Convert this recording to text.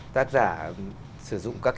tác giả sử dụng các